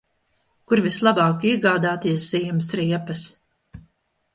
Kur vislabāk iegādāties ziemas riepas?